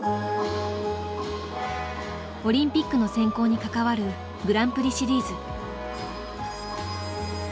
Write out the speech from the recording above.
オリンピックの選考に関わるグランプリシリーズ。